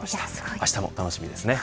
あしたも楽しみですね。